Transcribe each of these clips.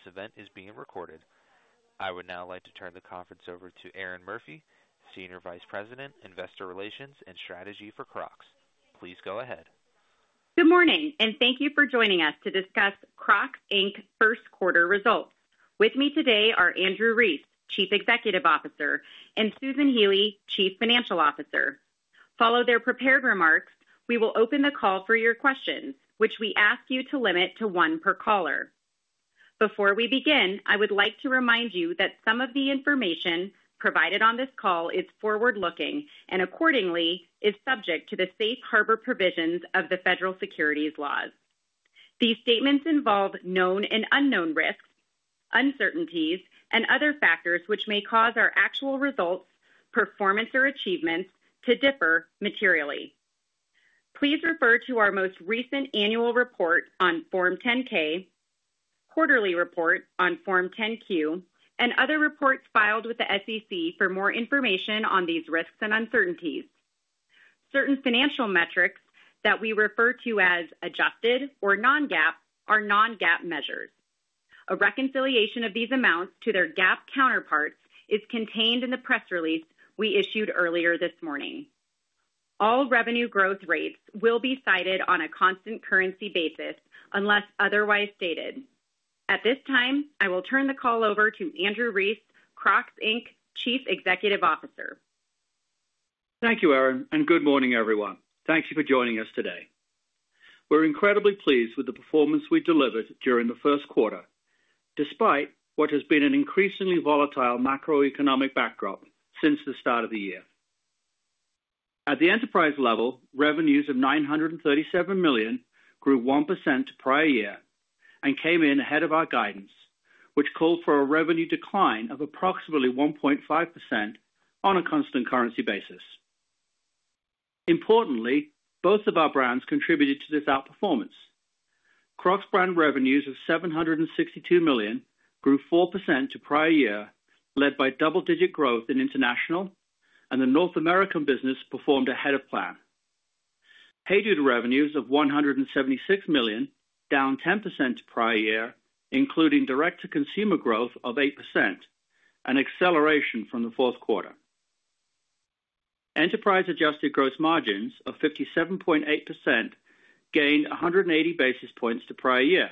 Note this event is being recorded. I would now like to turn the conference over to Erinn Murphy, Senior Vice President, Investor Relations and Strategy for Crocs. Please go ahead. Good morning, and thank you for joining us to discuss Crocs, Inc. first quarter results. With me today are Andrew Rees, Chief Executive Officer, and Susan Healy, Chief Financial Officer. Following their prepared remarks, we will open the call for your questions, which we ask you to limit to one per caller. Before we begin, I would like to remind you that some of the information provided on this call is forward-looking and, accordingly, is subject to the safe harbor provisions of the federal securities laws. These statements involve known and unknown risks, uncertainties, and other factors which may cause our actual results, performance, or achievements to differ materially. Please refer to our most recent annual report on Form 10-K, quarterly report on Form 10-Q, and other reports filed with the SEC for more information on these risks and uncertainties. Certain financial metrics that we refer to as adjusted or non-GAAP are non-GAAP measures. A reconciliation of these amounts to their GAAP counterparts is contained in the press release we issued earlier this morning. All revenue growth rates will be cited on a constant currency basis unless otherwise stated. At this time, I will turn the call over to Andrew Rees, Crocs, Inc. Chief Executive Officer. Thank you, Erinn, and good morning, everyone. Thank you for joining us today. We're incredibly pleased with the performance we delivered during the first quarter, despite what has been an increasingly volatile macroeconomic backdrop since the start of the year. At the enterprise level, revenues of $937 million grew 1% to prior year and came in ahead of our guidance, which called for a revenue decline of approximately 1.5% on a constant currency basis. Importantly, both of our brands contributed to this outperformance. Crocs brand revenues of $762 million grew 4% to prior year, led by double-digit growth in international, and the North American business performed ahead of plan. Hey Dude revenues of $176 million down 10% to prior year, including direct-to-consumer growth of 8%, an acceleration from the fourth quarter. Enterprise adjusted gross margins of 57.8% gained 180 basis points to prior year.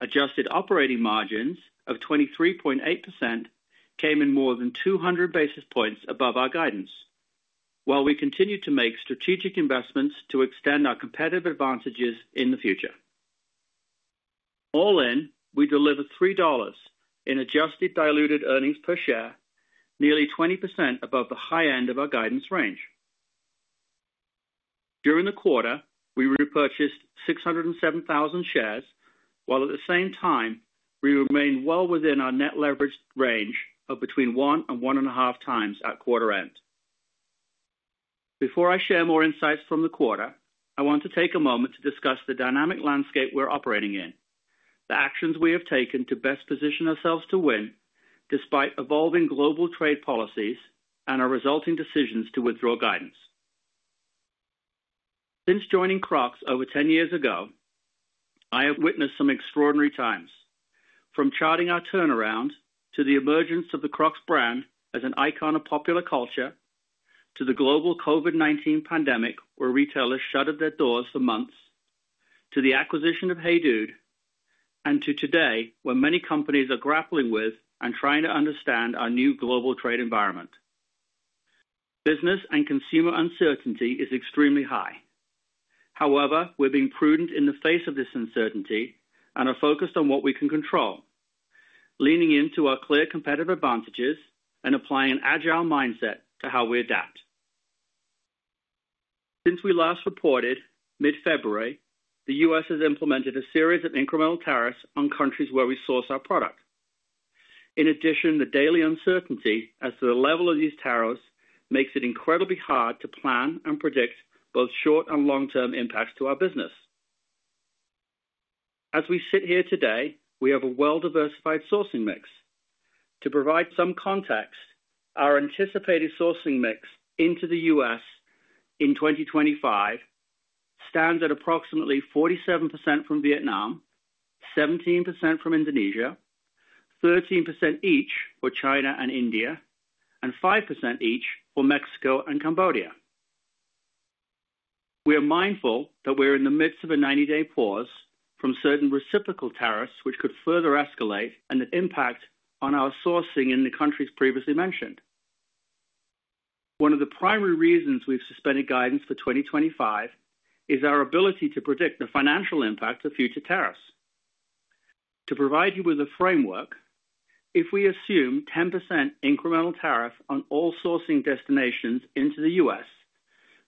Adjusted operating margins of 23.8% came in more than 200 basis points above our guidance, while we continued to make strategic investments to extend our competitive advantages in the future. All in, we delivered $3 in adjusted diluted earnings per share, nearly 20% above the high end of our guidance range. During the quarter, we repurchased 607,000 shares, while at the same time, we remained well within our net leverage range of between one and one and a half times at quarter end. Before I share more insights from the quarter, I want to take a moment to discuss the dynamic landscape we're operating in, the actions we have taken to best position ourselves to win despite evolving global trade policies and our resulting decisions to withdraw guidance. Since joining Crocs over 10 years ago, I have witnessed some extraordinary times, from charting our turnaround to the emergence of the Crocs brand as an icon of popular culture, to the global COVID-19 pandemic where retailers shuttered their doors for months, to the acquisition of HEYDUDE, and to today when many companies are grappling with and trying to understand our new global trade environment. Business and consumer uncertainty is extremely high. However, we're being prudent in the face of this uncertainty and are focused on what we can control, leaning into our clear competitive advantages and applying an agile mindset to how we adapt. Since we last reported, mid-February, the U.S. has implemented a series of incremental tariffs on countries where we source our product. In addition, the daily uncertainty as to the level of these tariffs makes it incredibly hard to plan and predict both short and long-term impacts to our business. As we sit here today, we have a well-diversified sourcing mix. To provide some context, our anticipated sourcing mix into the US in 2025 stands at approximately 47% from Vietnam, 17% from Indonesia, 13% each for China and India, and 5% each for Mexico and Cambodia. We are mindful that we're in the midst of a 90-day pause from certain reciprocal tariffs, which could further escalate and impact on our sourcing in the countries previously mentioned. One of the primary reasons we've suspended guidance for 2025 is our ability to predict the financial impact of future tariffs. To provide you with a framework, if we assume 10% incremental tariff on all sourcing destinations into the US,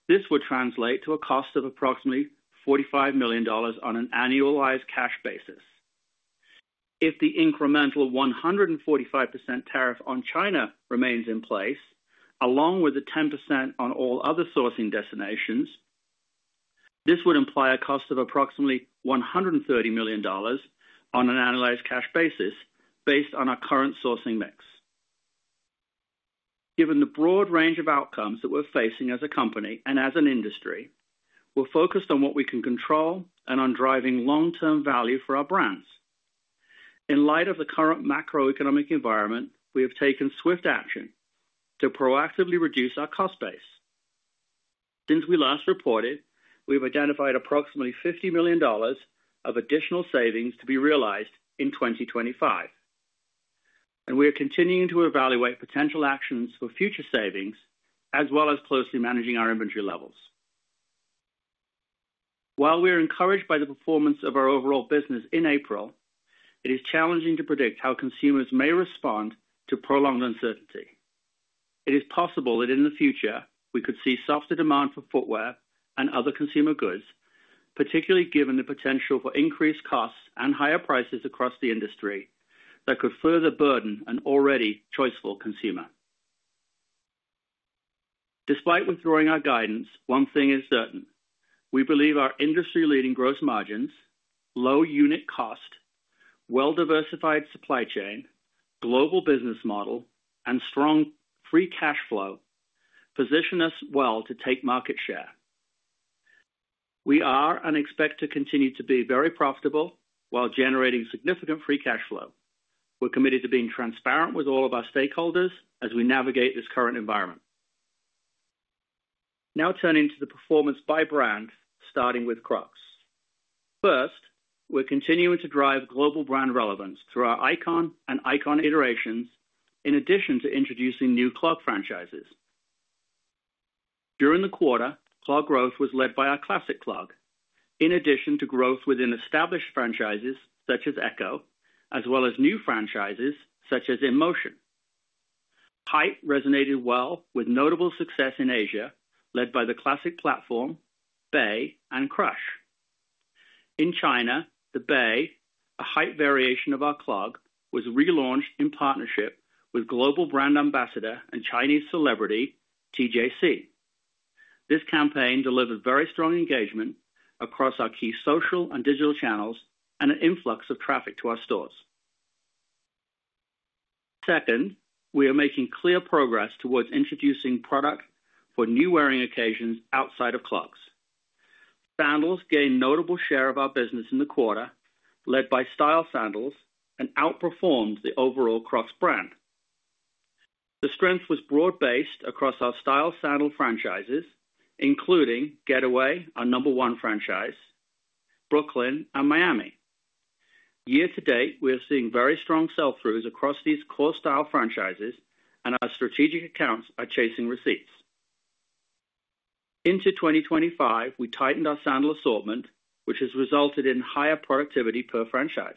this would translate to a cost of approximately $45 million on an annualized cash basis. If the incremental 145% tariff on China remains in place, along with the 10% on all other sourcing destinations, this would imply a cost of approximately $130 million on an annualized cash basis based on our current sourcing mix. Given the broad range of outcomes that we're facing as a company and as an industry, we're focused on what we can control and on driving long-term value for our brands. In light of the current macroeconomic environment, we have taken swift action to proactively reduce our cost base. Since we last reported, we've identified approximately $50 million of additional savings to be realized in 2025, and we are continuing to evaluate potential actions for future savings as well as closely managing our inventory levels. While we are encouraged by the performance of our overall business in April, it is challenging to predict how consumers may respond to prolonged uncertainty. It is possible that in the future, we could see softer demand for footwear and other consumer goods, particularly given the potential for increased costs and higher prices across the industry that could further burden an already choiceful consumer. Despite withdrawing our guidance, one thing is certain: we believe our industry-leading gross margins, low unit cost, well-diversified supply chain, global business model, and strong free cash flow position us well to take market share. We are and expect to continue to be very profitable while generating significant free cash flow. We're committed to being transparent with all of our stakeholders as we navigate this current environment. Now turning to the performance by brand, starting with Crocs. First, we're continuing to drive global brand relevance through our icon and icon iterations, in addition to introducing new clog franchises. During the quarter, clog growth was led by our Classic Clog, in addition to growth within established franchises such as Echo, as well as new franchises such as InMotion. Height resonated well with notable success in Asia, led by the Classic Platform, Bay, and Crush. In China, the Bay, a height variation of our clog, was relaunched in partnership with global brand ambassador and Chinese celebrity TJC. This campaign delivered very strong engagement across our key social and digital channels and an influx of traffic to our stores. Second, we are making clear progress towards introducing product for new wearing occasions outside of Crocs. Sandals gained a notable share of our business in the quarter, led by style sandals, and outperformed the overall Crocs brand. The strength was broad-based across our style sandal franchises, including Getaway, our number one franchise, Brooklyn, and Miami. Year to date, we are seeing very strong sell-throughs across these core style franchises, and our strategic accounts are chasing receipts. Into 2025, we tightened our sandal assortment, which has resulted in higher productivity per franchise.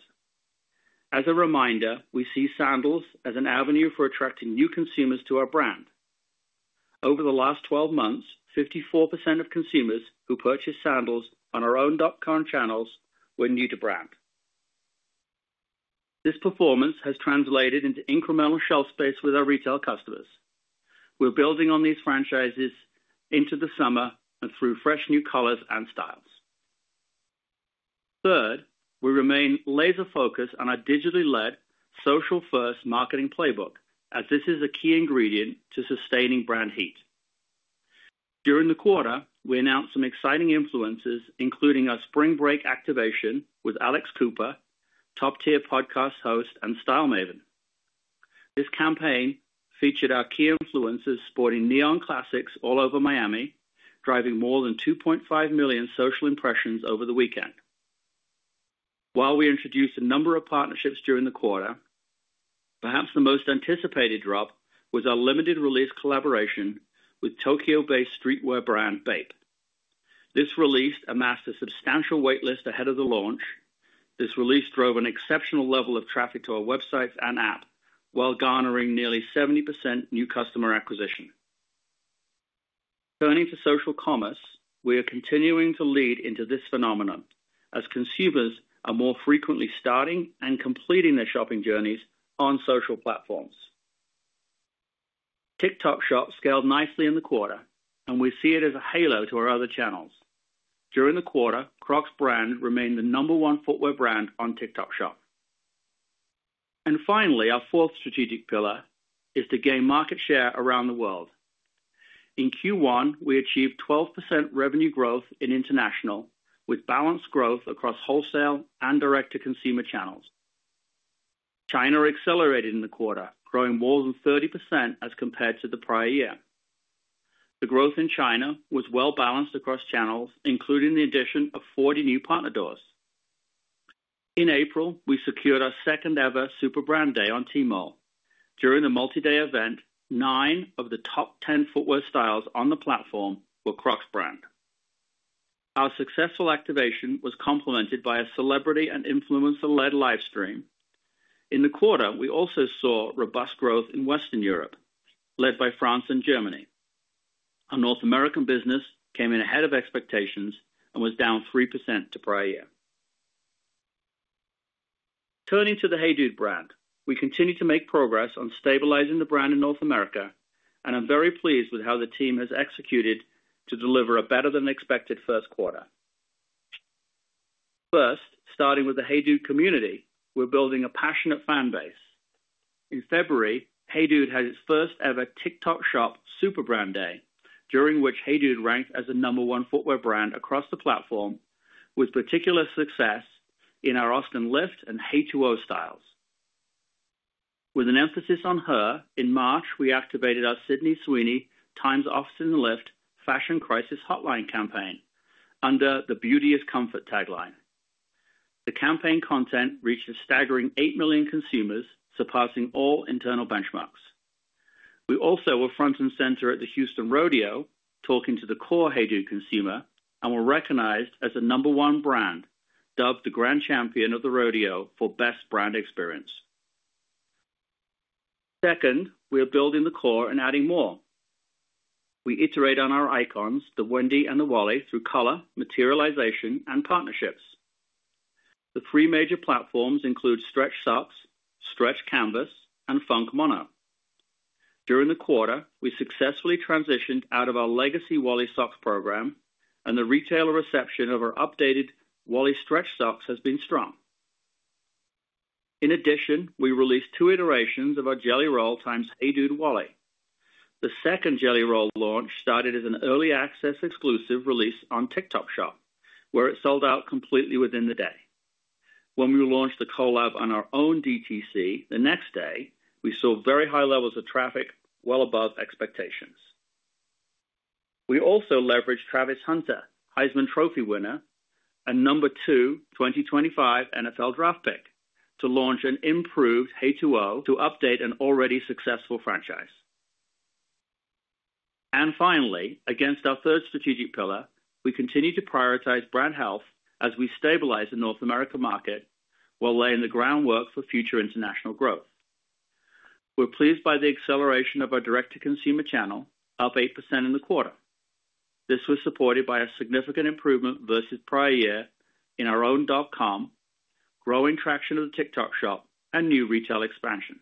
As a reminder, we see sandals as an avenue for attracting new consumers to our brand. Over the last 12 months, 54% of consumers who purchased sandals on our own dot-com channels were new to brand. This performance has translated into incremental shelf space with our retail customers. We're building on these franchises into the summer and through fresh new colors and styles. Third, we remain laser-focused on our digitally-led, social-first marketing playbook, as this is a key ingredient to sustaining brand heat. During the quarter, we announced some exciting influencers, including our spring break activation with Alex Cooper, top-tier podcast host and style maven. This campaign featured our key influencers sporting Neon Classics all over Miami, driving more than 2.5 million social impressions over the weekend. While we introduced a number of partnerships during the quarter, perhaps the most anticipated drop was our limited-release collaboration with Tokyo-based streetwear brand Bape. This release amassed a substantial waitlist ahead of the launch. This release drove an exceptional level of traffic to our websites and app while garnering nearly 70% new customer acquisition. Turning to social commerce, we are continuing to lead into this phenomenon as consumers are more frequently starting and completing their shopping journeys on social platforms. TikTok Shop scaled nicely in the quarter, and we see it as a halo to our other channels. During the quarter, Crocs brand remained the number one footwear brand on TikTok Shop. Finally, our fourth strategic pillar is to gain market share around the world. In Q1, we achieved 12% revenue growth in international, with balanced growth across wholesale and direct-to-consumer channels. China accelerated in the quarter, growing more than 30% as compared to the prior year. The growth in China was well-balanced across channels, including the addition of 40 new partner doors. In April, we secured our second-ever Super Brand Day on Tmall. During the multi-day event, nine of the top 10 footwear styles on the platform were Crocs brand. Our successful activation was complemented by a celebrity and influencer-led livestream. In the quarter, we also saw robust growth in Western Europe, led by France and Germany. Our North American business came in ahead of expectations and was down 3% to prior year. Turning to the HEYDUDE brand, we continue to make progress on stabilizing the brand in North America, and I'm very pleased with how the team has executed to deliver a better-than-expected first quarter. First, starting with the HEYDUDE community, we're building a passionate fanbase. In February, Hey Dude had its first-ever TikTok Shop Super Brand Day, during which HEYDUDE ranked as the number one footwear brand across the platform, with particular success in our Austin Lyft and Hey2O styles. With an emphasis on Her, in March, we activated our Sydney Sweeney times Austin Lyft Fashion Crisis Hotline campaign under the "Beauty is Comfort" tagline. The campaign content reached a staggering 8 million consumers, surpassing all internal benchmarks. We also were front and center at the Houston Rodeo, talking to the core HEYDUDE consumer, and were recognized as the number one brand, dubbed the grand champion of the rodeo for best brand experience. Second, we are building the core and adding more. We iterate on our icons, the Wendy and the Wally, through color, materialization, and partnerships. The three major platforms include Stretch Socks, Stretch Canvas, and Funk Mono. During the quarter, we successfully transitioned out of our legacy Wally socks program, and the retailer reception of our updated Wally Stretch Socks has been strong. In addition, we released two iterations of our Jelly Roll x Hey Dude Wally. The second Jelly Roll launch started as an early access exclusive release on TikTok Shop, where it sold out completely within the day. When we launched the collab on our own DTC the next day, we saw very high levels of traffic, well above expectations. We also leveraged Travis Hunter, Heisman Trophy winner, and number two 2025 NFL draft pick to launch an improved Hey2O to update an already successful franchise. Finally, against our third strategic pillar, we continue to prioritize brand health as we stabilize the North America market while laying the groundwork for future international growth. We are pleased by the acceleration of our direct-to-consumer channel, up 8% in the quarter. This was supported by a significant improvement versus prior year in our own dot-com, growing traction of the TikTok Shop, and new retail expansion.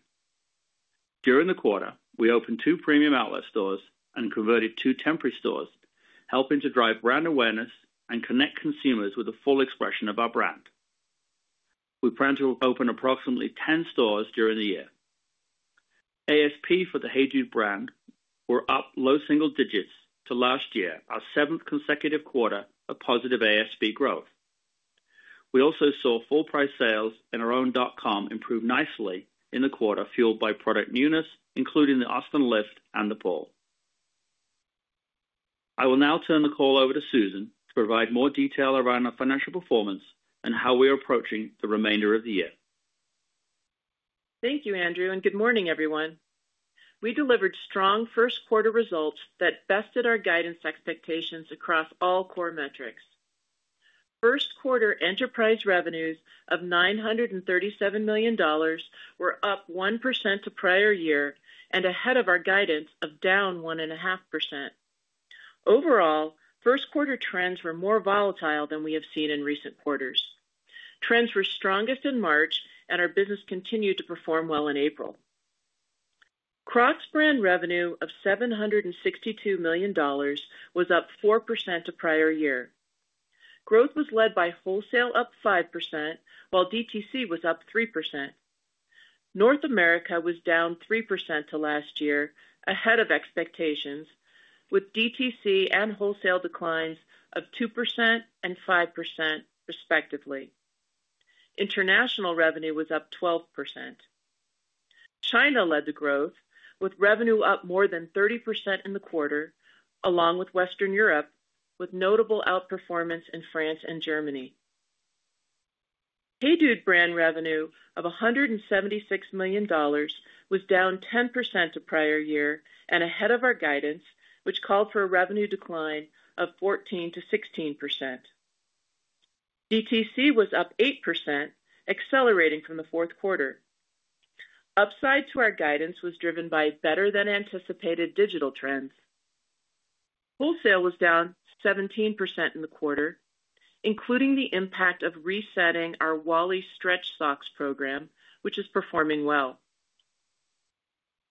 During the quarter, we opened two premium outlet stores and converted two temporary stores, helping to drive brand awareness and connect consumers with a full expression of our brand. We plan to open approximately 10 stores during the year. ASP for the HEYDUDE brand were up low single digits to last year, our seventh consecutive quarter of positive ASP growth. We also saw full-price sales in our own dot-com improve nicely in the quarter, fueled by product newness, including the Austin Lyft and the Pool. I will now turn the call over to Susan to provide more detail around our financial performance and how we are approaching the remainder of the year. Thank you, Andrew, and good morning, everyone. We delivered strong first-quarter results that bested our guidance expectations across all core metrics. First-quarter enterprise revenues of $937 million were up 1% to prior year and ahead of our guidance of down 1.5%. Overall, first-quarter trends were more volatile than we have seen in recent quarters. Trends were strongest in March, and our business continued to perform well in April. Crocs brand revenue of $762 million was up 4% to prior year. Growth was led by wholesale up 5%, while DTC was up 3%. North America was down 3% to last year, ahead of expectations, with DTC and wholesale declines of 2% and 5%, respectively. International revenue was up 12%. China led the growth, with revenue up more than 30% in the quarter, along with Western Europe, with notable outperformance in France and Germany. Hey Dude brand revenue of $176 million was down 10% to prior year and ahead of our guidance, which called for a revenue decline of 14%-16%. DTC was up 8%, accelerating from the fourth quarter. Upside to our guidance was driven by better-than-anticipated digital trends. Wholesale was down 17% in the quarter, including the impact of resetting our Wally Stretch Socks program, which is performing well.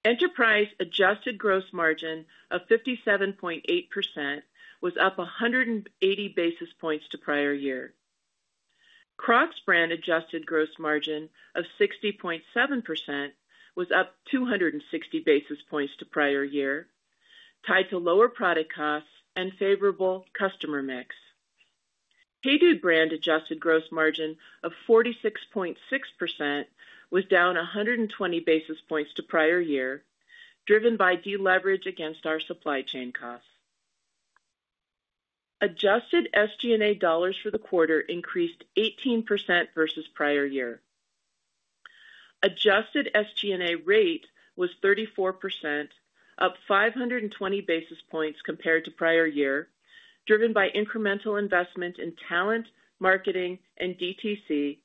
Enterprise adjusted gross margin of 57.8% was up 180 basis points to prior year. Crocs brand adjusted gross margin of 60.7% was up 260 basis points to prior year, tied to lower product costs and favorable customer mix. Hey Dude brand adjusted gross margin of 46.6% was down 120 basis points to prior year, driven by deleverage against our supply chain costs. Adjusted SG&A dollars for the quarter increased 18% versus prior year. Adjusted SG&A rate was 34%, up 520 basis points compared to prior year, driven by incremental investment in talent, marketing, and DTC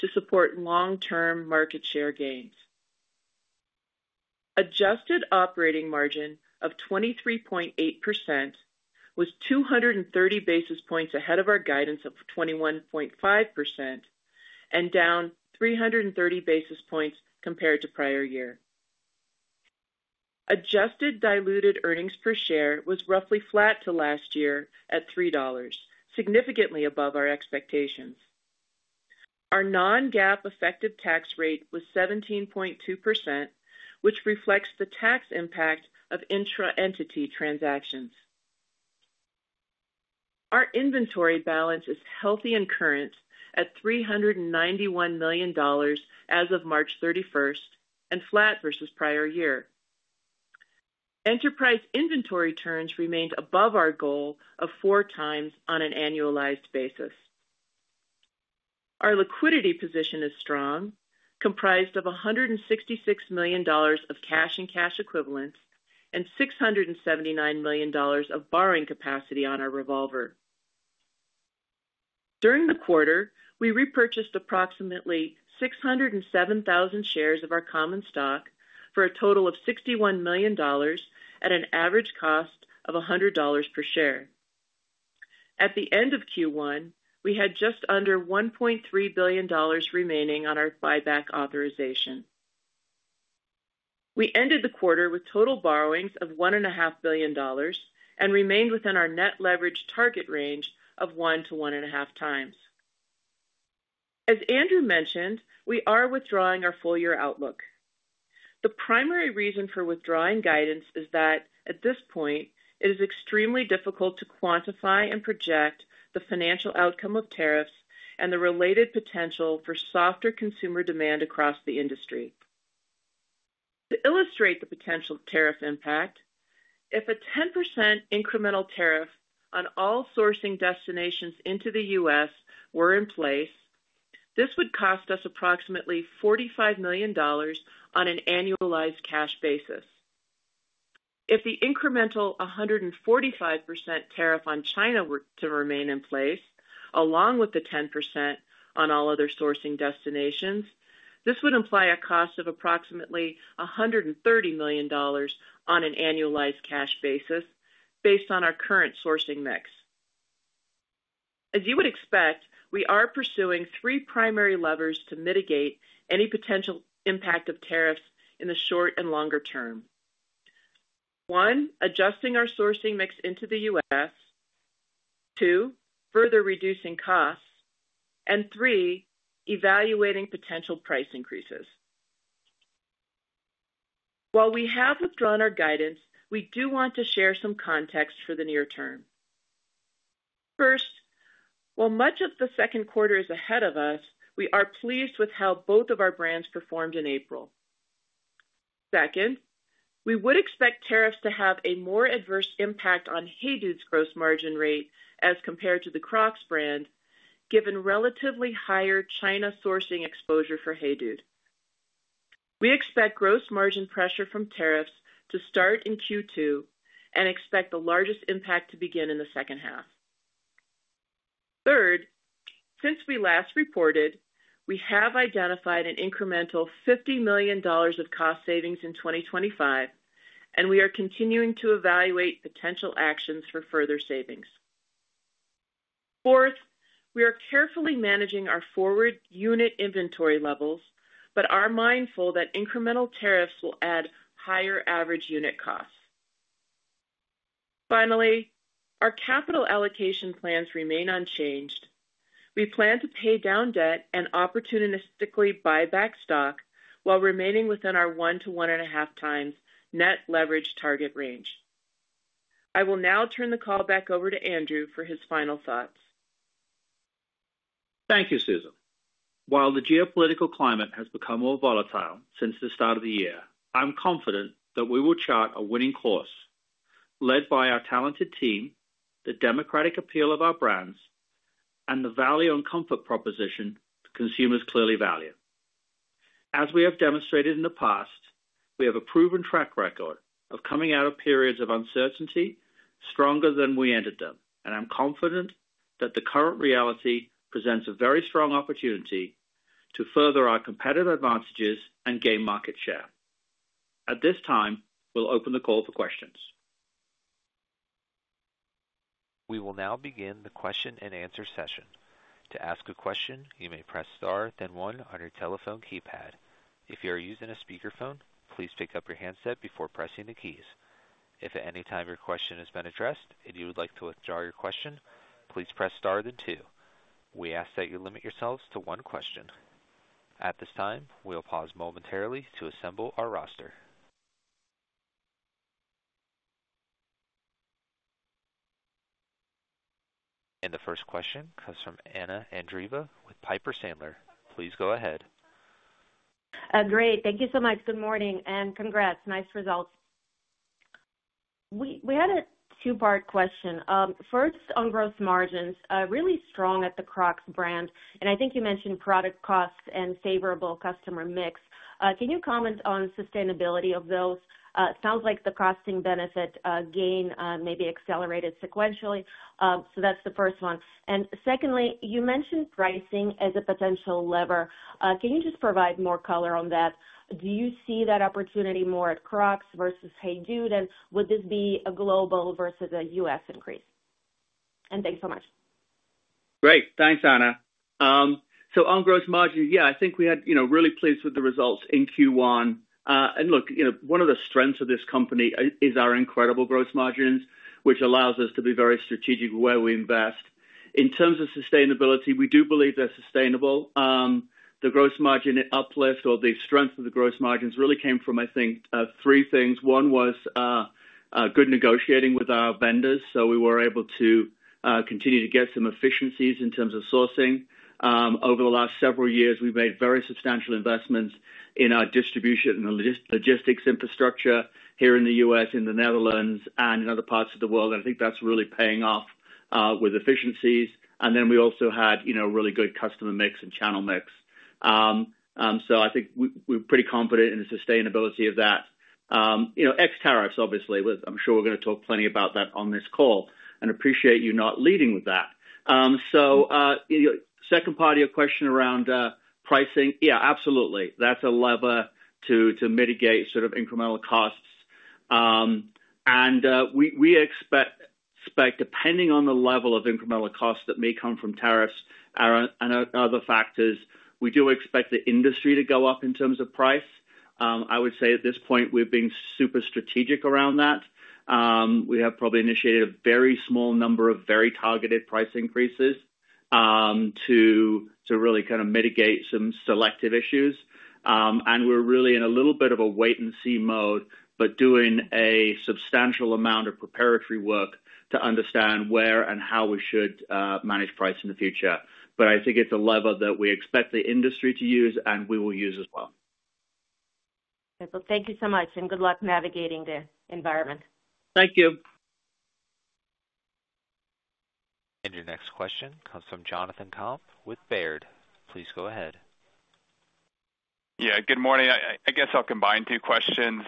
to support long-term market share gains. Adjusted operating margin of 23.8% was 230 basis points ahead of our guidance of 21.5% and down 330 basis points compared to prior year. Adjusted diluted earnings per share was roughly flat to last year at $3, significantly above our expectations. Our non-GAAP effective tax rate was 17.2%, which reflects the tax impact of intra-entity transactions. Our inventory balance is healthy and current at $391 million as of March 31 and flat versus prior year. Enterprise inventory turns remained above our goal of four times on an annualized basis. Our liquidity position is strong, comprised of $166 million of cash and cash equivalents and $679 million of borrowing capacity on our revolver. During the quarter, we repurchased approximately 607,000 shares of our common stock for a total of $61 million at an average cost of $100 per share. At the end of Q1, we had just under $1.3 billion remaining on our buyback authorization. We ended the quarter with total borrowings of $1.5 billion and remained within our net leverage target range of 1-1.5 times. As Andrew mentioned, we are withdrawing our full-year outlook. The primary reason for withdrawing guidance is that, at this point, it is extremely difficult to quantify and project the financial outcome of tariffs and the related potential for softer consumer demand across the industry. To illustrate the potential tariff impact, if a 10% incremental tariff on all sourcing destinations into the U.S. were in place, this would cost us approximately $45 million on an annualized cash basis. If the incremental 145% tariff on China were to remain in place, along with the 10% on all other sourcing destinations, this would imply a cost of approximately $130 million on an annualized cash basis based on our current sourcing mix. As you would expect, we are pursuing three primary levers to mitigate any potential impact of tariffs in the short and longer term. One, adjusting our sourcing mix into the U.S. Two, further reducing costs. Three, evaluating potential price increases. While we have withdrawn our guidance, we do want to share some context for the near term. First, while much of the second quarter is ahead of us, we are pleased with how both of our brands performed in April. Second, we would expect tariffs to have a more adverse impact on HEYDUDE's gross margin rate as compared to the Crocs brand, given relatively higher China sourcing exposure for HEYDUDE. We expect gross margin pressure from tariffs to start in Q2 and expect the largest impact to begin in the second half. Third, since we last reported, we have identified an incremental $50 million of cost savings in 2025, and we are continuing to evaluate potential actions for further savings. Fourth, we are carefully managing our forward unit inventory levels, but are mindful that incremental tariffs will add higher average unit costs. Finally, our capital allocation plans remain unchanged. We plan to pay down debt and opportunistically buy back stock while remaining within our 1-1.5 times net leverage target range. I will now turn the call back over to Andrew for his final thoughts. Thank you, Susan. While the geopolitical climate has become more volatile since the start of the year, I'm confident that we will chart a winning course led by our talented team, the democratic appeal of our brands, and the value and comfort proposition that consumers clearly value. As we have demonstrated in the past, we have a proven track record of coming out of periods of uncertainty stronger than we ended them, and I'm confident that the current reality presents a very strong opportunity to further our competitive advantages and gain market share. At this time, we'll open the call for questions. We will now begin the question and answer session. To ask a question, you may press star, then one on your telephone keypad. If you are using a speakerphone, please pick up your handset before pressing the keys. If at any time your question has been addressed and you would like to withdraw your question, please press star, then two. We ask that you limit yourselves to one question. At this time, we'll pause momentarily to assemble our roster. The first question comes from Anna Andreeva with Piper Sandler. Please go ahead. Great. Thank you so much. Good morning and congrats. Nice results. We had a two-part question. First, on gross margins, really strong at the Crocs brand, and I think you mentioned product costs and favorable customer mix. Can you comment on sustainability of those? It sounds like the costing benefit gain may be accelerated sequentially. That is the first one. Secondly, you mentioned pricing as a potential lever. Can you just provide more color on that? Do you see that opportunity more at Crocs versus HEYDUDE, and would this be a global versus a U.S. increase? Thanks so much. Great. Thanks, Anna. On gross margins, yeah, I think we had, you know, really pleased with the results in Q1. Look, you know, one of the strengths of this company is our incredible gross margins, which allows us to be very strategic where we invest. In terms of sustainability, we do believe they're sustainable. The gross margin uplift or the strength of the gross margins really came from, I think, three things. One was good negotiating with our vendors, so we were able to continue to get some efficiencies in terms of sourcing. Over the last several years, we've made very substantial investments in our distribution and logistics infrastructure here in the U.S., in the Netherlands, and in other parts of the world. I think that's really paying off with efficiencies. Then we also had, you know, a really good customer mix and channel mix. I think we're pretty confident in the sustainability of that. You know, ex tariffs, obviously, I'm sure we're going to talk plenty about that on this call and appreciate you not leading with that. The second part of your question around pricing, yeah, absolutely. That's a lever to mitigate sort of incremental costs. We expect, depending on the level of incremental costs that may come from tariffs and other factors, we do expect the industry to go up in terms of price. I would say at this point, we've been super strategic around that. We have probably initiated a very small number of very targeted price increases to really kind of mitigate some selective issues. We're really in a little bit of a wait-and-see mode, but doing a substantial amount of preparatory work to understand where and how we should manage price in the future. I think it's a lever that we expect the industry to use and we will use as well. Thank you so much and good luck navigating the environment. Thank you. Your next question comes from Jonathan Komp with Baird. Please go ahead. Yeah, good morning. I guess I'll combine two questions.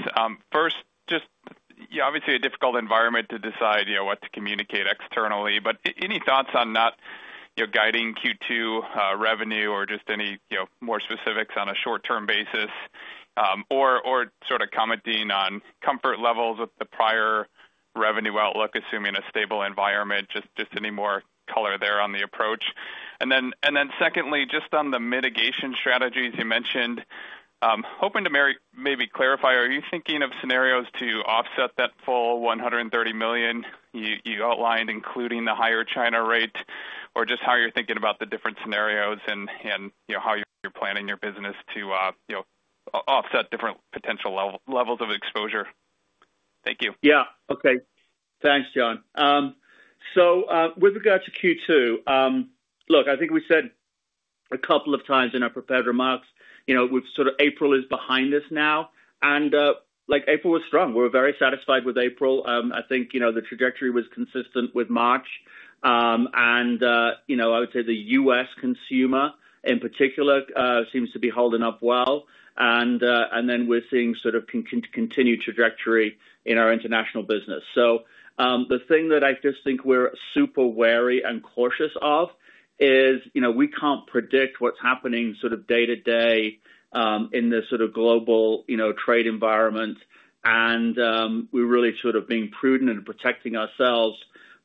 First, just, you know, obviously a difficult environment to decide, you know, what to communicate externally, but any thoughts on not, you know, guiding Q2 revenue or just any, you know, more specifics on a short-term basis or sort of commenting on comfort levels with the prior revenue outlook, assuming a stable environment, just any more color there on the approach. And then secondly, just on the mitigation strategies you mentioned, hoping to maybe clarify, are you thinking of scenarios to offset that full $130 million you outlined, including the higher China rate or just how you're thinking about the different scenarios and how you're planning your business to, you know, offset different potential levels of exposure? Thank you. Yeah. Okay. Thanks, John. With regards to Q2, look, I think we said a couple of times in our prepared remarks, you know, we've sort of April is behind us now. April was strong. We're very satisfied with April. I think, you know, the trajectory was consistent with March. I would say the U.S. consumer in particular seems to be holding up well. We're seeing sort of continued trajectory in our international business. The thing that I just think we're super wary and cautious of is, you know, we can't predict what's happening sort of day to day in this sort of global, you know, trade environment. We really sort of are being prudent and protecting ourselves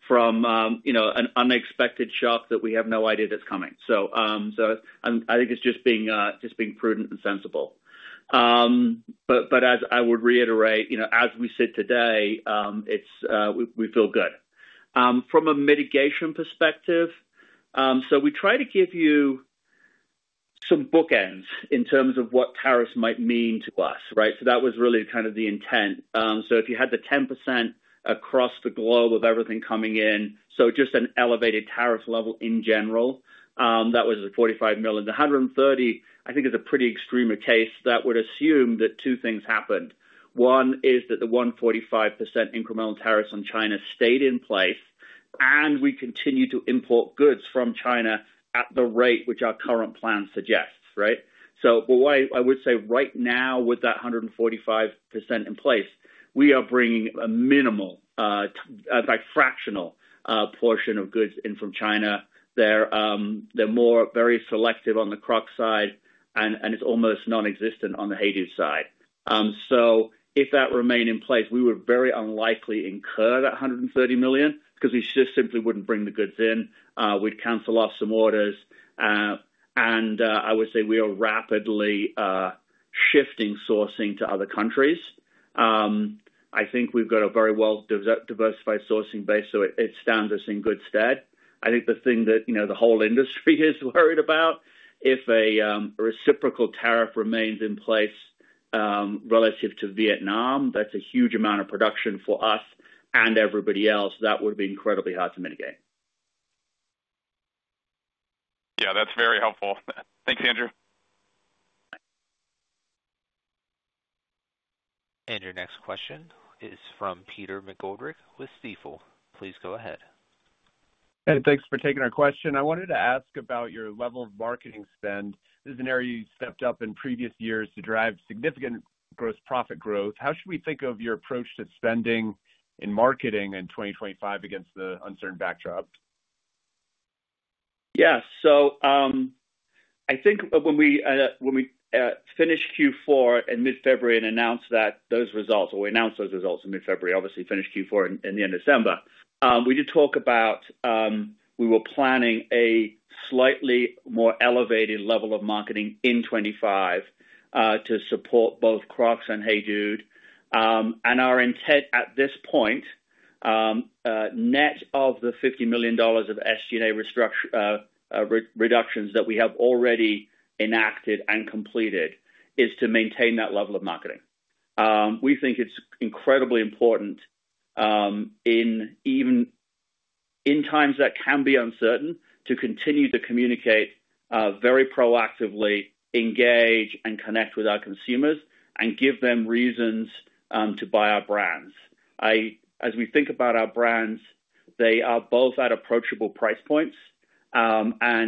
from, you know, an unexpected shock that we have no idea that's coming. I think it's just being prudent and sensible. As I would reiterate, you know, as we sit today, we feel good. From a mitigation perspective, we try to give you some bookends in terms of what tariffs might mean to us, right? That was really kind of the intent. If you had the 10% across the globe of everything coming in, just an elevated tariff level in general, that was $45 million. The $130 million, I think, is a pretty extreme case that would assume that two things happened. One is that the 145% incremental tariffs on China stayed in place and we continue to import goods from China at the rate which our current plan suggests, right? I would say right now with that 145% in place, we are bringing a minimal, in fact, fractional portion of goods in from China. They're more very selective on the Crocs side and it's almost nonexistent on the Hey Dude side. If that remained in place, we were very unlikely to incur that $130 million because we just simply wouldn't bring the goods in. We'd cancel off some orders. I would say we are rapidly shifting sourcing to other countries. I think we've got a very well-diversified sourcing base, so it stands us in good stead. I think the thing that, you know, the whole industry is worried about, if a reciprocal tariff remains in place relative to Vietnam, that's a huge amount of production for us and everybody else. That would be incredibly hard to mitigate. Yeah, that's very helpful. Thanks, Andrew. Your next question is from Peter McGoldrick with Stifel. Please go ahead. Thanks for taking our question. I wanted to ask about your level of marketing spend. This is an area you stepped up in previous years to drive significant gross profit growth. How should we think of your approach to spending in marketing in 2025 against the uncertain backdrop? Yeah, so I think when we finished Q4 in mid-February and announced those results in mid-February, obviously finished Q4 at the end of December, we did talk about we were planning a slightly more elevated level of marketing in 2025 to support both Crocs and Hey Dude. Our intent at this point, net of the $50 million of SG&A reductions that we have already enacted and completed, is to maintain that level of marketing. We think it is incredibly important in times that can be uncertain to continue to communicate very proactively, engage and connect with our consumers, and give them reasons to buy our brands. As we think about our brands, they are both at approachable price points.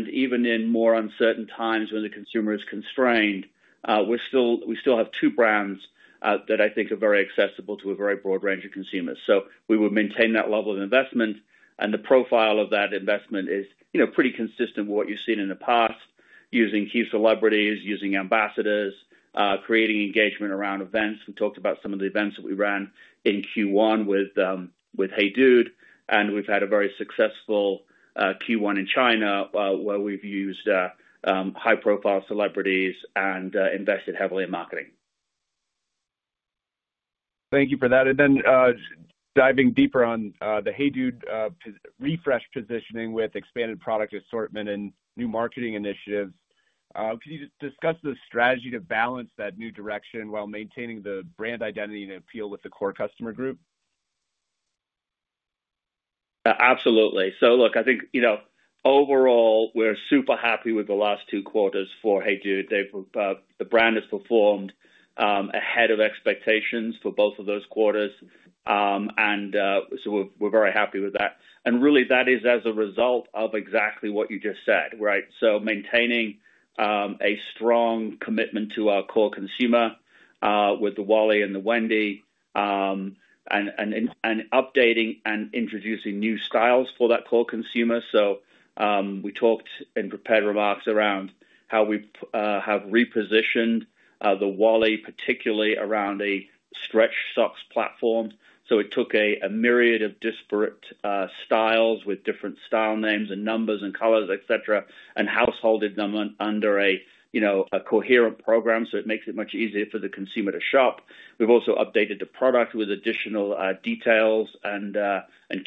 Even in more uncertain times when the consumer is constrained, we still have two brands that I think are very accessible to a very broad range of consumers. We would maintain that level of investment. The profile of that investment is, you know, pretty consistent with what you've seen in the past, using key celebrities, using ambassadors, creating engagement around events. We talked about some of the events that we ran in Q1 with HEYDUDE. We have had a very successful Q1 in China where we have used high-profile celebrities and invested heavily in marketing. Thank you for that. Then diving deeper on the HEYDUDE refresh positioning with expanded product assortment and new marketing initiatives, could you discuss the strategy to balance that new direction while maintaining the brand identity and appeal with the core customer group? Absolutely. Look, I think, you know, overall, we're super happy with the last two quarters for HEYDUDE. The brand has performed ahead of expectations for both of those quarters. We're very happy with that. Really, that is as a result of exactly what you just said, right? Maintaining a strong commitment to our core consumer with the Wally and the Wendy and updating and introducing new styles for that core consumer. We talked in prepared remarks around how we have repositioned the Wally, particularly around a Stretch Socks platform. It took a myriad of disparate styles with different style names and numbers and colors, etc., and householded them under a, you know, a coherent program. It makes it much easier for the consumer to shop. We have also updated the product with additional details and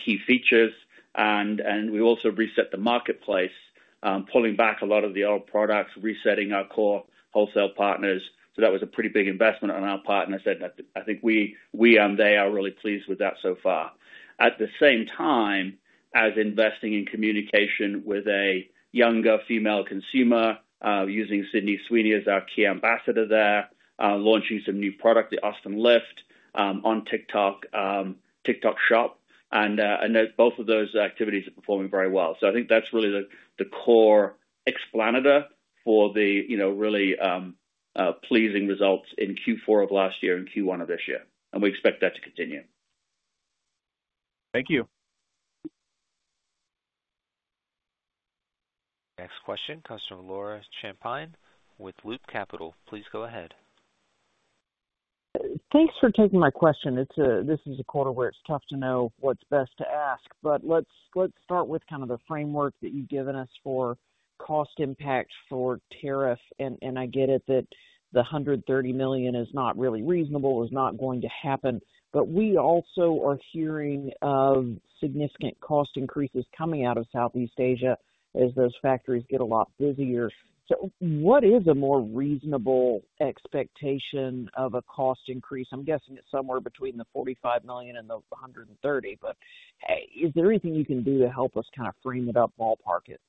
key features. We also reset the marketplace, pulling back a lot of the old products, resetting our core wholesale partners. That was a pretty big investment on our part. I said that I think we and they are really pleased with that so far. At the same time, as investing in communication with a younger female consumer, using Sydney Sweeney as our key ambassador there, launching some new product, the Austin Lift on TikTok Shop. Both of those activities are performing very well. I think that's really the core explanator for the, you know, really pleasing results in Q4 of last year and Q1 of this year. We expect that to continue. Thank you. Next question, customer Laura Champagne with Loop Capital. Please go ahead. Thanks for taking my question. This is a quarter where it's tough to know what's best to ask, but let's start with kind of the framework that you've given us for cost impact for tariff. I get it that the $130 million is not really reasonable, is not going to happen. We also are hearing of significant cost increases coming out of Southeast Asia as those factories get a lot busier. What is a more reasonable expectation of a cost increase? I'm guessing it's somewhere between the $45 million and the $130 million, but is there anything you can do to help us kind of frame it up, ballpark it?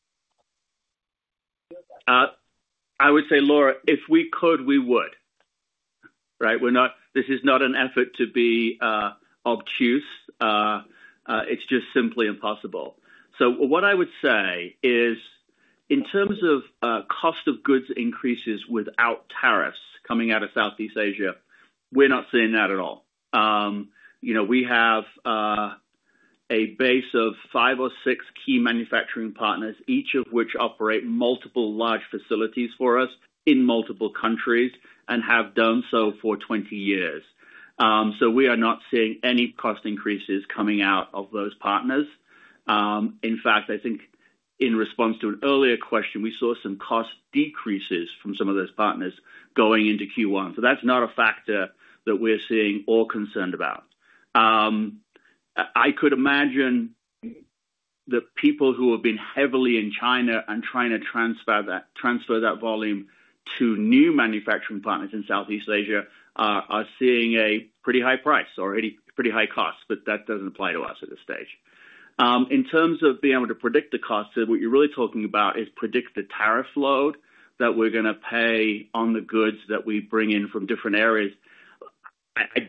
I would say, Laura, if we could, we would, right? This is not an effort to be obtuse. It's just simply impossible. What I would say is in terms of cost of goods increases without tariffs coming out of Southeast Asia, we're not seeing that at all. You know, we have a base of five or six key manufacturing partners, each of which operate multiple large facilities for us in multiple countries and have done so for 20 years. We are not seeing any cost increases coming out of those partners. In fact, I think in response to an earlier question, we saw some cost decreases from some of those partners going into Q1. That's not a factor that we're seeing or concerned about. I could imagine the people who have been heavily in China and trying to transfer that volume to new manufacturing partners in Southeast Asia are seeing a pretty high price or pretty high cost, but that doesn't apply to us at this stage. In terms of being able to predict the cost, what you're really talking about is predict the tariff load that we're going to pay on the goods that we bring in from different areas. I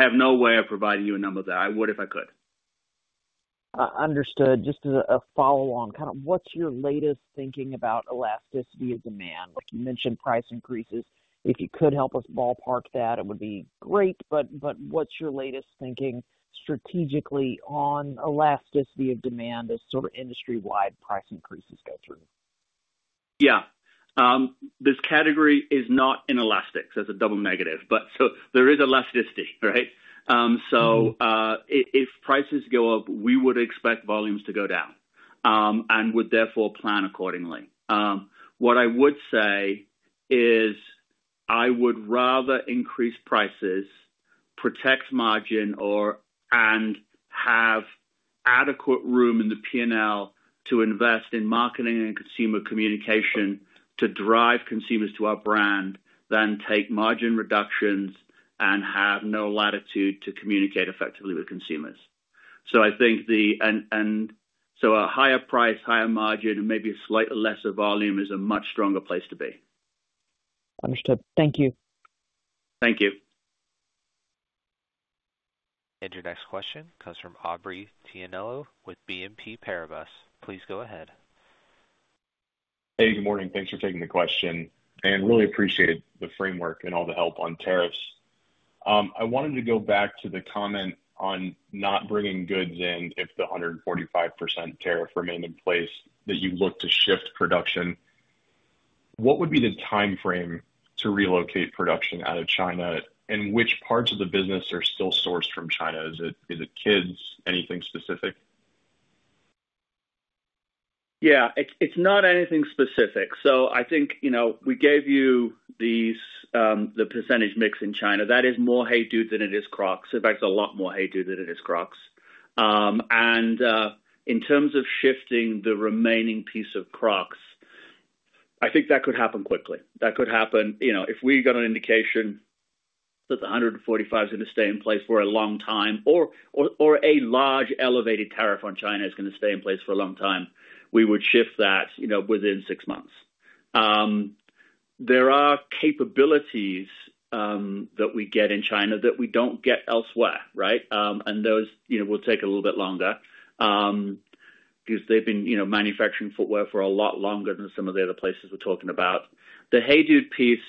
have no way of providing you a number there. I would if I could. Understood. Just as a follow-on, kind of what's your latest thinking about elasticity of demand? Like you mentioned price increases. If you could help us ballpark that, it would be great. But what is your latest thinking strategically on elasticity of demand as sort of industry-wide price increases go through? Yeah. This category is not in elastics as a double negative, but so there is elasticity, right? If prices go up, we would expect volumes to go down and would therefore plan accordingly. What I would say is I would rather increase prices, protect margin, and have adequate room in the P&L to invest in marketing and consumer communication to drive consumers to our brand than take margin reductions and have no latitude to communicate effectively with consumers. I think a higher price, higher margin, and maybe a slightly lesser volume is a much stronger place to be. Understood. Thank you. Thank you. Your next question comes from Aubrey Tianello with BNP Paribas. Please go ahead. Hey, good morning. Thanks for taking the question. I really appreciate the framework and all the help on tariffs. I wanted to go back to the comment on not bringing goods in if the 145% tariff remained in place that you look to shift production. What would be the timeframe to relocate production out of China and which parts of the business are still sourced from China? Is it kids, anything specific? Yeah, it's not anything specific. I think, you know, we gave you the percentage mix in China. That is more Hey Dude than it is Crocs. In fact, it's a lot more Hey Dude than it is Crocs. In terms of shifting the remaining piece of Crocs, I think that could happen quickly. That could happen, you know, if we got an indication that the 145 is going to stay in place for a long time or a large elevated tariff on China is going to stay in place for a long time, we would shift that, you know, within six months. There are capabilities that we get in China that we do not get elsewhere, right? And those, you know, will take a little bit longer because they have been, you know, manufacturing footwear for a lot longer than some of the other places we are talking about. The Hey Dude piece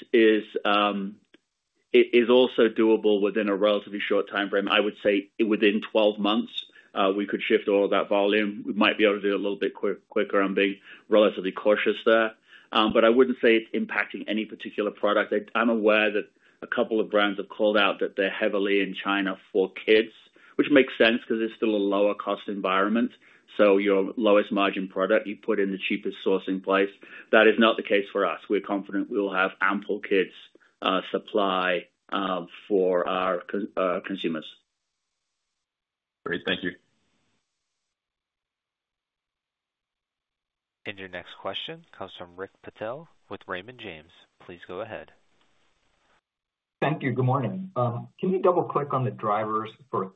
is also doable within a relatively short timeframe. I would say within 12 months, we could shift all of that volume. We might be able to do it a little bit quicker. I am being relatively cautious there. I would not say it is impacting any particular product. I'm aware that a couple of brands have called out that they're heavily in China for kids, which makes sense because it's still a lower-cost environment. So your lowest margin product, you put in the cheapest sourcing place. That is not the case for us. We're confident we'll have ample kids' supply for our consumers. Great. Thank you. Your next question comes from Rick Patel with Raymond James. Please go ahead. Thank you. Good morning. Can you double-click on the drivers for,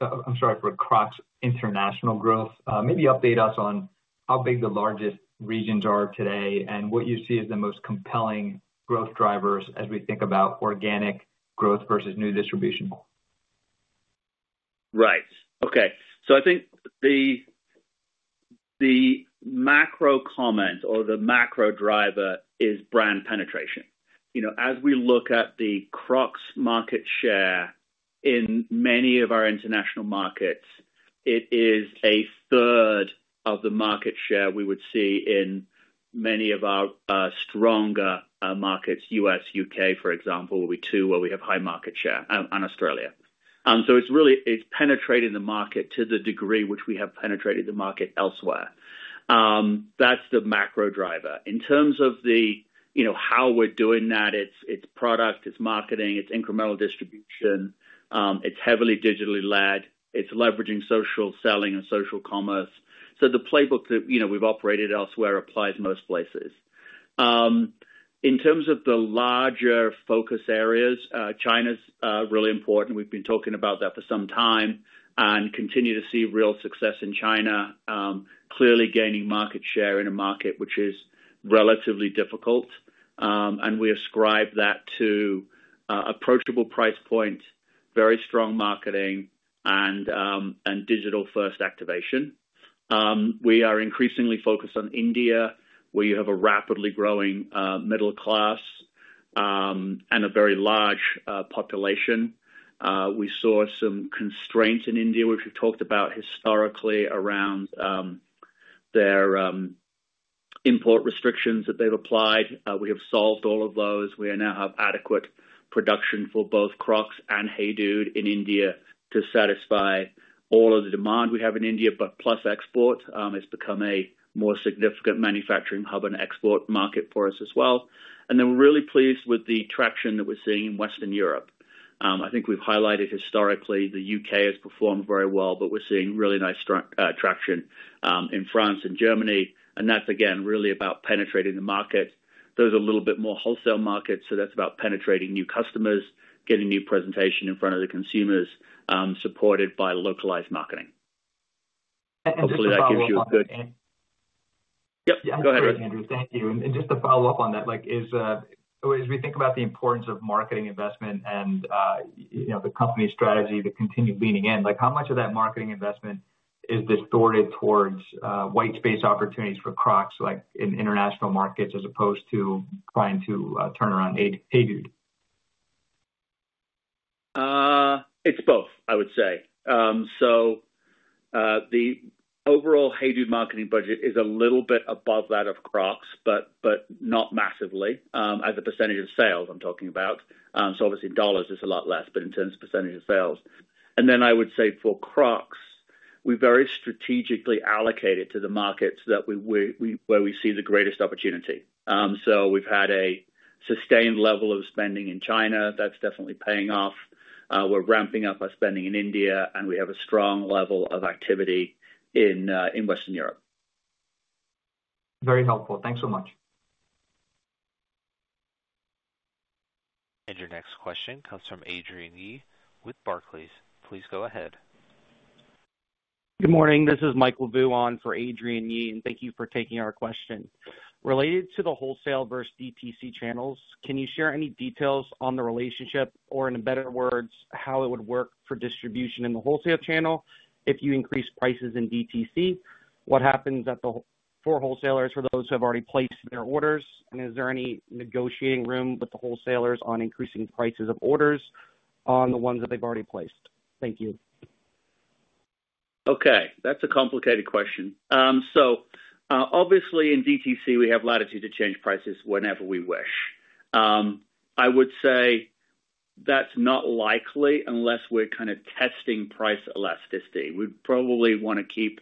I'm sorry, for Crocs international growth? Maybe update us on how big the largest regions are today and what you see as the most compelling growth drivers as we think about organic growth versus new distribution. Right. Okay. I think the macro comment or the macro driver is brand penetration. You know, as we look at the Crocs market share in many of our international markets, it is a third of the market share we would see in many of our stronger markets, U.S., U.K., for example, will be two where we have high market share and Australia. It is really, it is penetrating the market to the degree which we have penetrated the market elsewhere. That is the macro driver. In terms of the, you know, how we are doing that, it is product, it is marketing, it is incremental distribution, it is heavily digitally led, it is leveraging social selling and social commerce. The playbook that, you know, we have operated elsewhere applies most places. In terms of the larger focus areas, China is really important. We have been talking about that for some time and continue to see real success in China, clearly gaining market share in a market which is relatively difficult. We ascribe that to approachable price points, very strong marketing, and digital-first activation. We are increasingly focused on India, where you have a rapidly growing middle class and a very large population. We saw some constraints in India, which we've talked about historically around their import restrictions that they've applied. We have solved all of those. We now have adequate production for both Crocs and Hey Dude in India to satisfy all of the demand we have in India, plus export. It's become a more significant manufacturing hub and export market for us as well. We're really pleased with the traction that we're seeing in Western Europe. I think we've highlighted historically the U.K. has performed very well, but we're seeing really nice traction in France and Germany. That's, again, really about penetrating the market. Those are a little bit more wholesale markets. That is about penetrating new customers, getting new presentation in front of the consumers, supported by localized marketing. Thank you. Just to follow up on that, like as we think about the importance of marketing investment and, you know, the company strategy, the continued leaning in, like how much of that marketing investment is distorted towards white space opportunities for Crocs like in international markets as opposed to trying to turn around HEYDUDE? It is both, I would say. The overall Hey Dude marketing budget is a little bit above that of Crocs, but not massively. As a percentage of sales, I am talking about. Obviously, dollars is a lot less, but in terms of percentage of sales. I would say for Crocs, we very strategically allocate it to the markets that we see the greatest opportunity. We have had a sustained level of spending in China. That is definitely paying off. We are ramping up our spending in India, and we have a strong level of activity in Western Europe. Very helpful. Thanks so much. Your next question comes from Adrian Yee with Barclays. Please go ahead. Good morning. This is Michael Vuong for Adrian Yee, and thank you for taking our question. Related to the wholesale versus DTC channels, can you share any details on the relationship or, in better words, how it would work for distribution in the wholesale channel? If you increase prices in DTC, what happens for wholesalers for those who have already placed their orders? Is there any negotiating room with the wholesalers on increasing prices of orders on the ones that they've already placed? Thank you. Okay. That's a complicated question. Obviously, in DTC, we have latitude to change prices whenever we wish. I would say that's not likely unless we're kind of testing price elasticity. We'd probably want to keep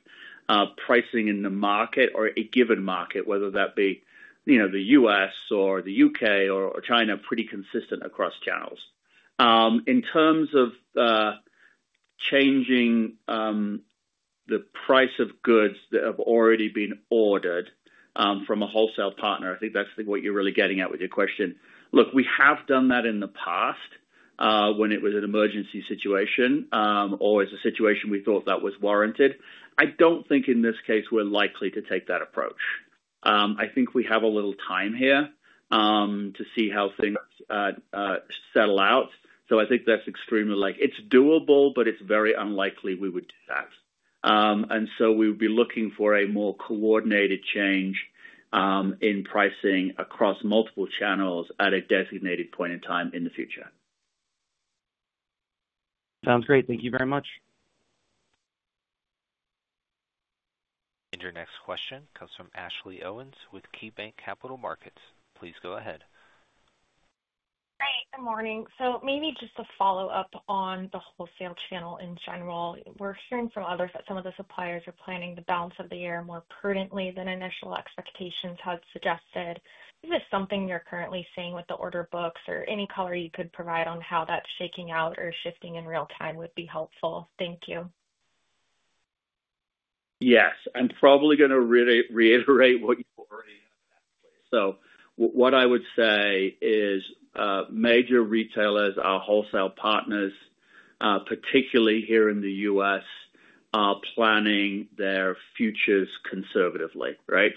pricing in the market or a given market, whether that be, you know, the U.S. or the U.K. or China, pretty consistent across channels. In terms of changing the price of goods that have already been ordered from a wholesale partner, I think that's what you're really getting at with your question. Look, we have done that in the past when it was an emergency situation or it's a situation we thought that was warranted. I don't think in this case we're likely to take that approach. I think we have a little time here to see how things settle out. I think that's extremely likely. It's doable, but it's very unlikely we would do that. We would be looking for a more coordinated change in pricing across multiple channels at a designated point in time in the future. Sounds great. Thank you very much. Your next question comes from Ashley Owens with KeyBanc Capital Markets. Please go ahead. Hi. Good morning. Maybe just a follow-up on the wholesale channel in general. We're hearing from others that some of the suppliers are planning the balance of the year more prudently than initial expectations had suggested. Is this something you're currently seeing with the order books or any color you could provide on how that's shaking out or shifting in real time would be helpful? Thank you. Yes. I'm probably going to reiterate what you already. What I would say is major retailers, our wholesale partners, particularly here in the US, are planning their futures conservatively, right?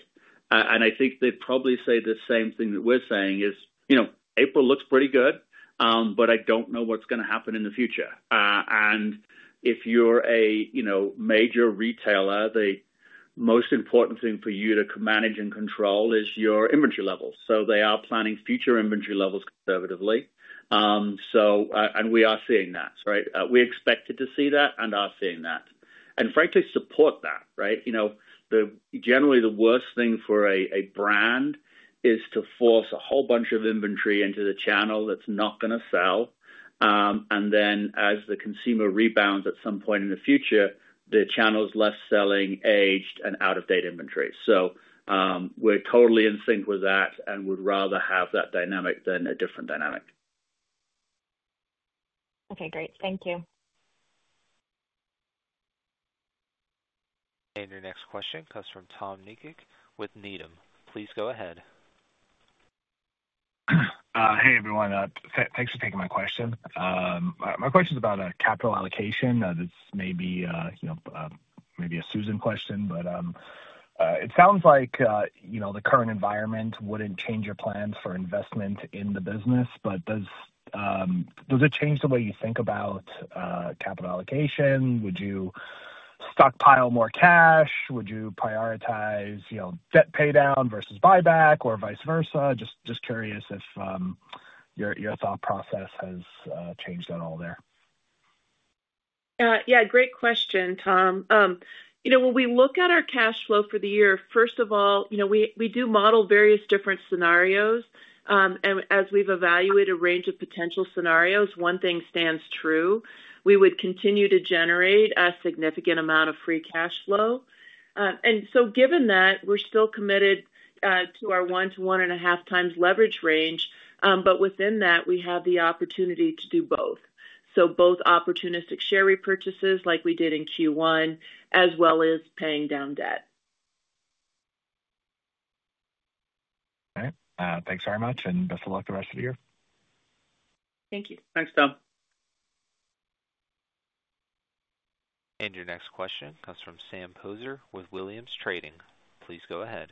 I think they'd probably say the same thing that we're saying is, you know, April looks pretty good, but I don't know what's going to happen in the future. If you're a, you know, major retailer, the most important thing for you to manage and control is your inventory levels. They are planning future inventory levels conservatively. We are seeing that, right? We expected to see that and are seeing that. Frankly, support that, right? You know, generally the worst thing for a brand is to force a whole bunch of inventory into the channel that's not going to sell. And then as the consumer rebounds at some point in the future, the channel's less selling, aged, and out-of-date inventory. We're totally in sync with that and would rather have that dynamic than a different dynamic. Okay. Great. Thank you. Your next question comes from Tom Nikic with Needham. Please go ahead. Hey, everyone. Thanks for taking my question. My question is about capital allocation. This may be, you know, maybe a Susan question, but it sounds like, you know, the current environment would not change your plans for investment in the business, but does it change the way you think about capital allocation? Would you stockpile more cash? Would you prioritize, you know, debt paydown versus buyback or vice versa? Just curious if your thought process has changed at all there. Yeah. Yeah. Great question, Tom. You know, when we look at our cash flow for the year, first of all, you know, we do model various different scenarios. And as we've evaluated a range of potential scenarios, one thing stands true. We would continue to generate a significant amount of free cash flow. And so given that, we're still committed to our one to one and a half times leverage range, but within that, we have the opportunity to do both. So both opportunistic share repurchases like we did in Q1, as well as paying down debt. Okay. Thanks very much and best of luck the rest of the year. Thank you. Thanks, Tom. And your next question comes from Sam Poser with Williams Trading. Please go ahead.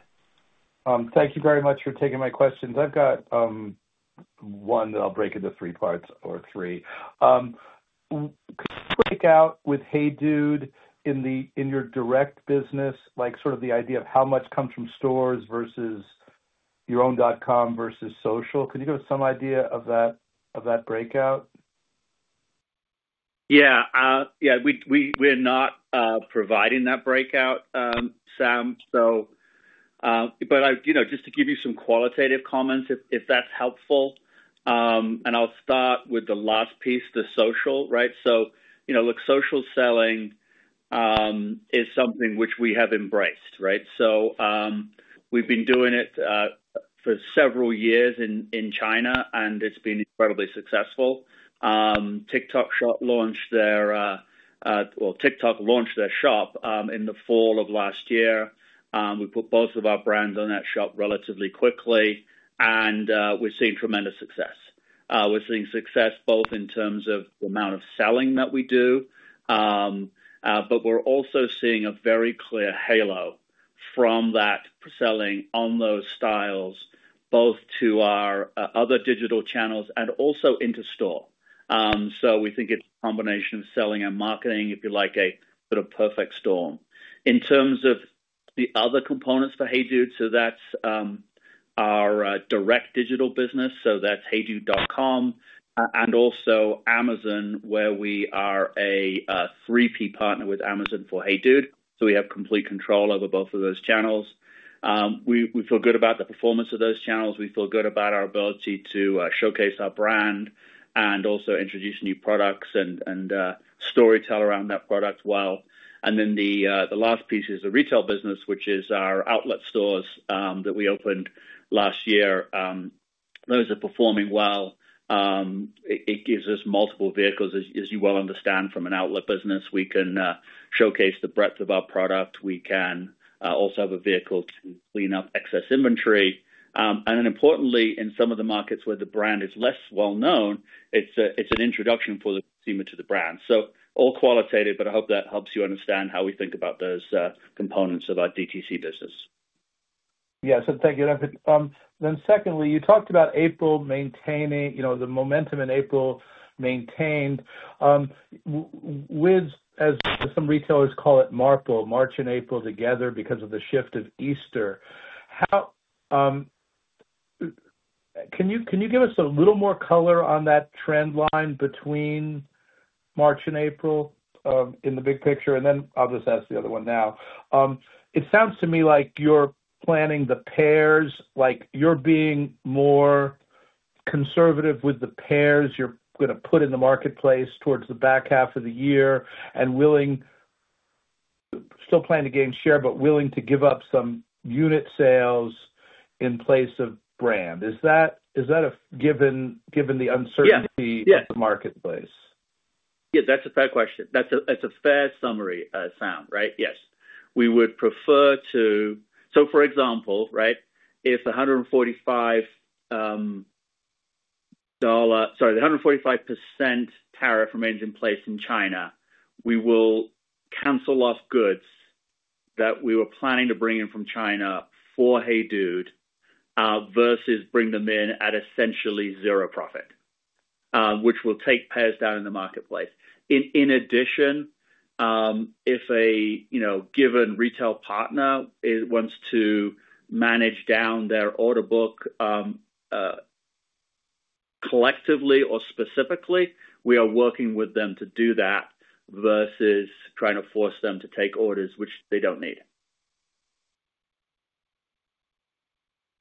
Thank you very much for taking my questions. I've got one that I'll break into three parts or three. Can you break out with Hey Dude in your direct business, like sort of the idea of how much comes from stores versus your own dot-com versus social? Can you give us some idea of that breakout? Yeah. Yeah. We're not providing that breakout, Sam. So, but I, you know, just to give you some qualitative comments, if that's helpful. I'll start with the last piece, the social, right? You know, look, social selling is something which we have embraced, right? We've been doing it for several years in China, and it's been incredibly successful. TikTok launched their shop in the fall of last year. We put both of our brands on that shop relatively quickly, and we've seen tremendous success. We're seeing success both in terms of the amount of selling that we do, but we're also seeing a very clear halo from that selling on those styles, both to our other digital channels and also into store. We think it's a combination of selling and marketing, if you like, a sort of perfect storm. In terms of the other components for Hey Dude, that's our direct digital business. That's heydude.com and also Amazon, where we are a three-partner with Amazon for Hey Dude. We have complete control over both of those channels. We feel good about the performance of those channels. We feel good about our ability to showcase our brand and also introduce new products and storytell around that product well. The last piece is the retail business, which is our outlet stores that we opened last year. Those are performing well. It gives us multiple vehicles, as you well understand, from an outlet business. We can showcase the breadth of our product. We can also have a vehicle to clean up excess inventory. Importantly, in some of the markets where the brand is less well known, it is an introduction for the consumer to the brand. All qualitative, but I hope that helps you understand how we think about those components of our DTC business. Yeah. Thank you. Secondly, you talked about April maintaining, you know, the momentum in April maintained with, as some retailers call it, Marple, March and April together because of the shift of Easter. Can you give us a little more color on that trend line between March and April in the big picture? I'll just ask the other one now. It sounds to me like you're planning the pairs, like you're being more conservative with the pairs you're going to put in the marketplace towards the back half of the year and willing, still plan to gain share, but willing to give up some unit sales in place of brand. Is that given the uncertainty of the marketplace? Yeah. That's a fair question. That's a fair summary sound, right? Yes. We would prefer to, so for example, right, if the $145, sorry, the 145% tariff remains in place in China, we will cancel off goods that we were planning to bring in from China for Hey Dude versus bring them in at essentially zero profit, which will take pairs down in the marketplace. In addition, if a, you know, given retail partner wants to manage down their order book collectively or specifically, we are working with them to do that versus trying to force them to take orders which they do not need.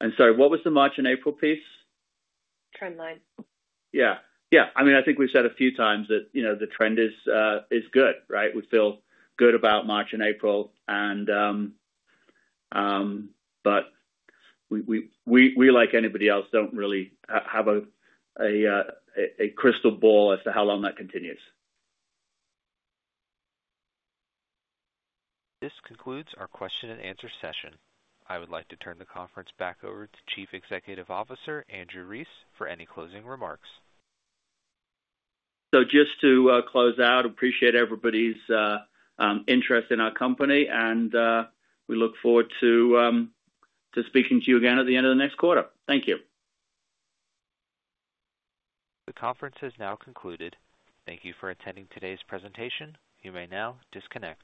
What was the March and April piece? Trend line. Yeah. Yeah. I mean, I think we have said a few times that, you know, the trend is good, right? We feel good about March and April, but we, like anybody else, do not really have a crystal ball as to how long that continues. This concludes our question and answer session. I would like to turn the conference back over to Chief Executive Officer Andrew Rees for any closing remarks. Just to close out, appreciate everybody's interest in our company, and we look forward to speaking to you again at the end of the next quarter. Thank you. The conference has now concluded. Thank you for attending today's presentation. You may now disconnect.